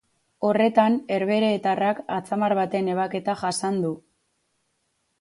Horretan, herbeheretarrak atzamar baten ebaketa jasan du.